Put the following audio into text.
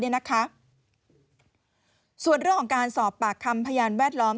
ส่วนเรื่องของการสอบปากคำพยานแวดล้อม